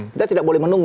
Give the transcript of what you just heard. kita tidak boleh menunggu